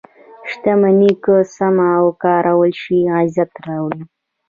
• شتمني که سمه وکارول شي، عزت راوړي.